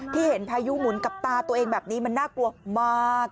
ที่เห็นพายุหมุนกับตาตัวเองแบบนี้มันน่ากลัวมาก